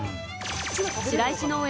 白石農園